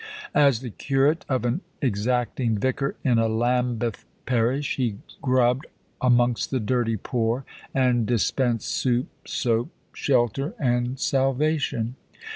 As the curate of an exacting vicar in a Lambeth parish, he grubbed amongst the dirty poor, and dispensed soup, soap, shelter, and salvation.